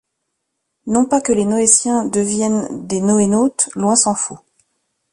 Non pas que les Noétiens deviennent des NoéNautes, loin s’en faut.